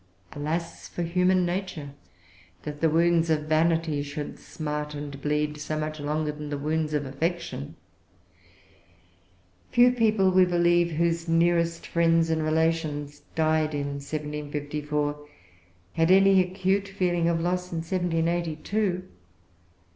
Alas, for human nature, that the wounds of vanity should smart and bleed so much longer than the wounds of affection! Few people, we believe, whose nearest friends and relations died in 1754, had any acute feeling of the loss in 1782.